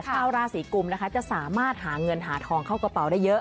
ชาวราศีกุมนะคะจะสามารถหาเงินหาทองเข้ากระเป๋าได้เยอะ